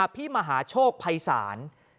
พี่มหาโชคภัยศาล